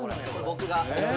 僕が。